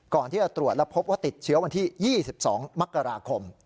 ก่อนที่จะตรวจแล้วพบว่าติดเชื้อวันที่๒๒มกราคม